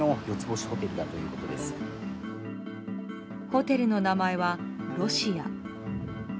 ホテルの名前は、ロシア。